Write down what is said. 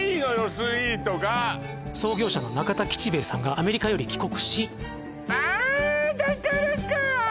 スイートが創業者の名方吉兵衛さんがアメリカより帰国しあっだからか！